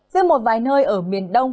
giữa một vài nơi ở miền đông